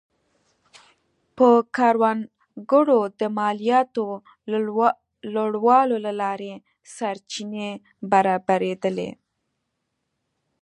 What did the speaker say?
پر کروندګرو د مالیاتو لوړولو له لارې سرچینې برابرېدلې